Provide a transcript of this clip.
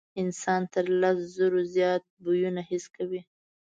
انسان تر لس زرو زیات بویونه حس کوي.